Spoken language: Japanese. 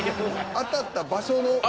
当たった場所の。